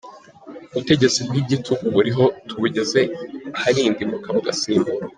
ubutegetsi bw’igitugu buriho tubugeze aharindimuka, bugasimburwa